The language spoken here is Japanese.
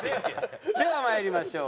ではまいりましょう。